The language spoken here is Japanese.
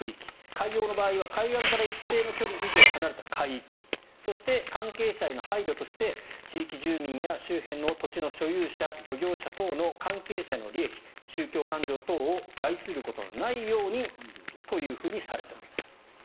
海洋の場合は海岸から一定の距離以上離れた海域そして、関係者への配慮として地域住民や周辺の土地の所有者漁業者等の関係者の利益宗教感情等を害することのないようにというふうにされています。